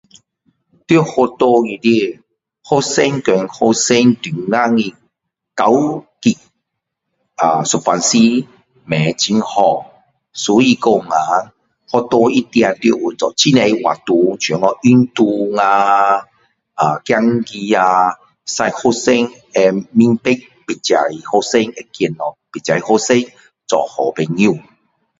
在学校里面学生和学生中间的交际啊有时候不很好所以讲啊学校一定要有做很多活动像运动啊呃象棋啊使学生会明白别个学生会见到别个学生做好朋友